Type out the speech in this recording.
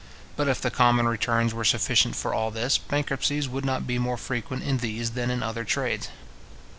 But if the common returns were sufficient for all this, bankruptcies would not be more frequent in these than in other trades.